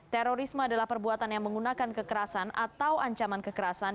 terorisme adalah perbuatan yang menggunakan kekerasan atau ancaman kekerasan